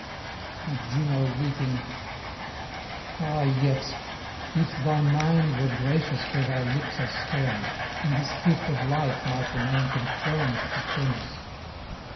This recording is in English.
And Juno, weeping: 'Ah yet, if thy mind were gracious where thy lips are stern, and this gift of life might remain confirmed to Turnus!